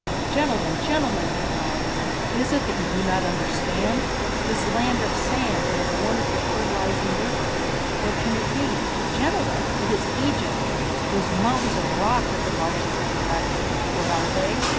"Gentlemen, gentlemen," he cried, "is it that you do not understand? This Land of Sand and of a wonderful fertilizing river what can it be? Gentlemen, it is Egypt! These mountains of rock that the Martians have erected, what are they?